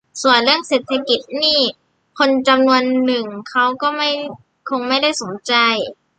ส่วนเรื่องเศรษฐกิจนี่ คนจำนวนหนึ่งเขาก็คงไม่ได้สนใจ